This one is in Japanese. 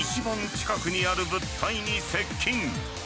近くにある物体に接近。